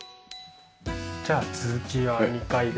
じゃあ続きは２階で。